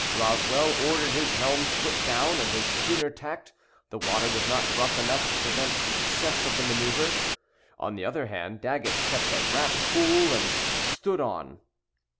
Roswell ordered his helm put down, and his schooner tacked. The water was not rough enough to prevent the success of the manœuvre. On the other hand, Daggett kept a rap full and stood on.